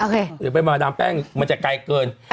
หรือไปมาดามแป้งมันจะไกลเกิน